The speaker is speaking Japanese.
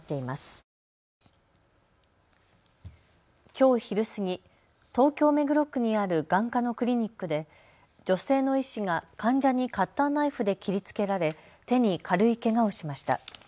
きょう昼過ぎ、東京目黒区にある眼科のクリニックで女性の医師が患者にカッターナイフで切りつけられ手に軽いけがをしました。